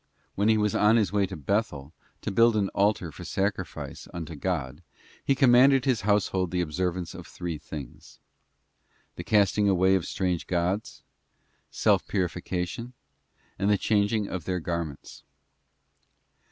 When he was on his way to Bethel to build an altar for sacrifice unto God, he commanded his household the observance of three things: the casting away of strange gods, self purification, and the changing of their garments.